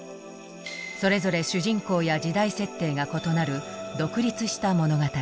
それぞれ主人公や時代設定が異なる独立した物語だ。